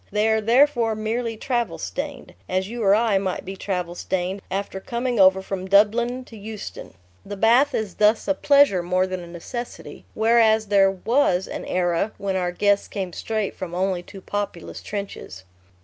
They are therefore merely travel stained, as you or I might be travel stained after coming over from Dublin to Euston. The bath is thus a pleasure more than a necessity. Whereas there was an era, when our guests came straight from only too populous trenches....